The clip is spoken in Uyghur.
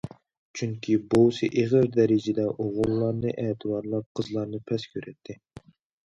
چۈنكى بوۋىسى ئېغىر دەرىجىدە ئوغۇللارنى ئەتىۋارلاپ، قىزلارنى پەس كۆرەتتى.